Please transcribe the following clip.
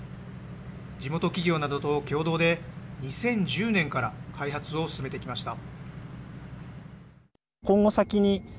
地元企業などと共同で２０１０年から開発を進めてきました。